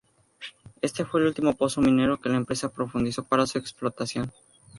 Este fue el último pozo minero que la empresa profundizó para su explotación.